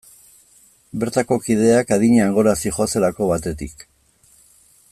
Bertako kideak adinean gora zihoazelako, batetik.